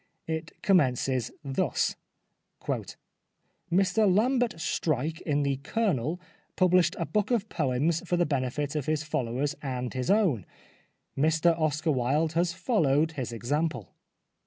It commences thus :—" Mr Lambert Streyke in The Colonel pub lished a book of poems for the benefit of his followers and his own ; Mr Oscar Wilde has followed his example."